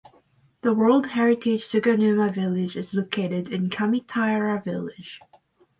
The World Heritage Suganuma village is located in Kamitaira village.